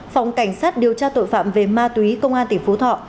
phòng cảnh sát điều tra tội phạm về ma túy công an tỉnh phú thọ